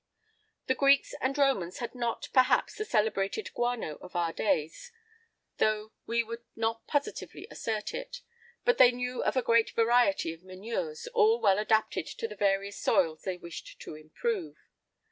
The Greeks and Romans had not, perhaps, the celebrated guano of our days, though we would not positively assert it; but they knew of a great variety of manures, all well adapted to the various soils they wished to improve.